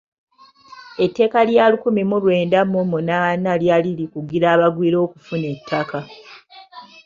Etteeka lya lukumi mu lwenda mu munaana lyali likugira abagwira okufuna ettaka.